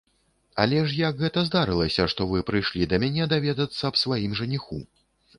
Але ж як гэта здарылася, што вы прыйшлі да мяне даведацца аб сваім жаніху?